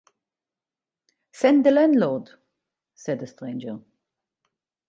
‘Send the landlord,’ said the stranger.